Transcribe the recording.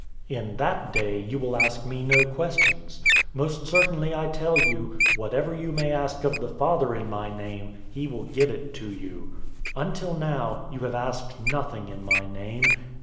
016:023 "In that day you will ask me no questions. Most certainly I tell you, whatever you may ask of the Father in my name, he will give it to you. 016:024 Until now, you have asked nothing in my name.